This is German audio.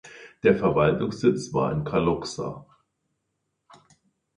Der Verwaltungssitz war in Kalocsa.